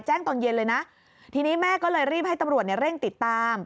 ตอนเย็นเลยนะทีนี้แม่ก็เลยรีบให้ตำรวจเนี่ยเร่งติดตาม